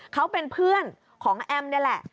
เขาเป็นเพื่อนของแอมนี่แหละ